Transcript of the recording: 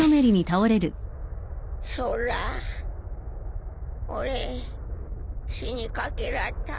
そうら俺死にかけらった。